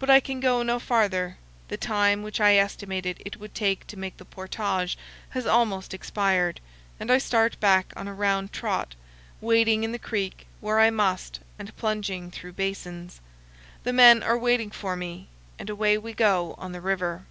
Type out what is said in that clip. But I can go no farther; the time which I estimated it would take to make the portage has almost expired, and I start back on a round trot, wading in the creek where I must and plunging through basins. The men are waiting for me, and away we go on the river.